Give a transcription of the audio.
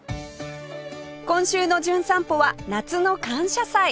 今週の『じゅん散歩』は夏の感謝祭